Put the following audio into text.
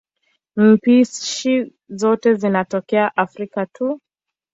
Spishi zote zinatokea Afrika tu.